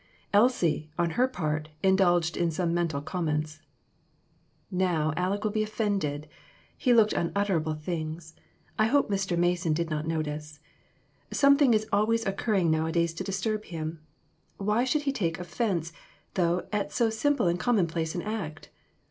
Elsie, on her part, indulged in some mental comments. "Now, Aleck will be offended. He looked unutterable things ; I hope Mr. Mason did not notice. Something is always occurring nowadays to disturb him. Why should he take offense, though, at so simple and commonplace an act